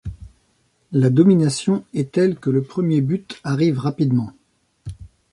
La domination est telle que le premier but arrive rapidement.